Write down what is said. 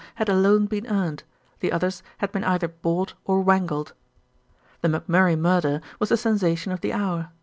had alone been earned, the others had been either bought or wangled. The McMurray Murder was the sensation of the hour.